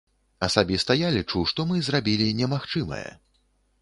Асабіста я лічу, што мы зрабілі немагчымае.